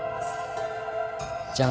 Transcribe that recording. pasti ada yang mengganggu